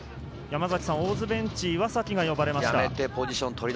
大津ベンチ、岩崎が呼ばれました。